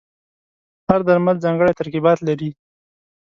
هر درمل ځانګړي ترکیبات لري.